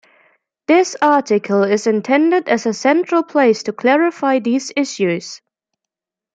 This article is intended as a central place to clarify these issues.